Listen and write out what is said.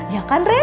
ya kan ren